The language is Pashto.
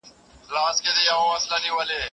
تاسي باید په خپلو خبرو کې له مربی سره مخلص اوسئ.